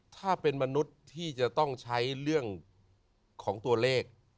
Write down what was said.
ถ้าเป็นมนุษย์ที่จะต้องใช้เรื่องของตัวเลข